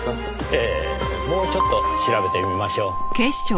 ええもうちょっと調べてみましょう。